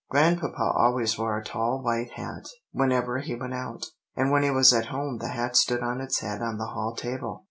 Grandpapa always wore a tall white hat whenever he went out, and when he was at home the hat stood on its head on the hall table.